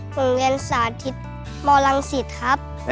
ผมเรียนสาธิตมรังสิตครับ